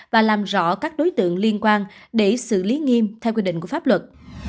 và làm rõ các đối tượng liên quan để xử lý nghiêm theo quy định của pháp luật